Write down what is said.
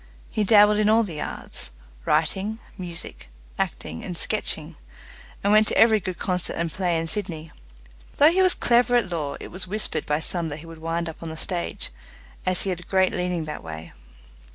He dabbled in all the arts writing, music, acting, and sketching, and went to every good concert and play in Sydney. Though he was clever at law, it was whispered by some that he would wind up on the stage, as he had a great leaning that way.